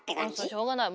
しょうがない。